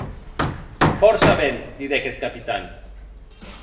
Fòrça ben, didec eth Capitan.